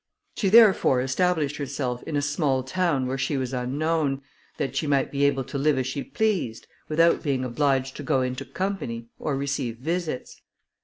She therefore established herself in a small town where she was unknown, that she might be able to live as she pleased, without being obliged to go into company, or receive visits.